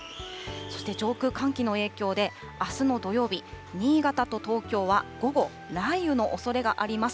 そして上空、寒気の影響であすの土曜日、新潟と東京は午後、雷雨のおそれがあります。